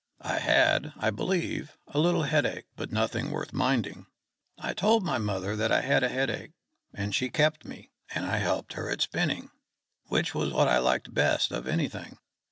I had, I believe, a little headache, but nothing worth minding. I told my mother that I had a headache, and she kept me, and I helped her at her spinning, which was what I liked best of anything.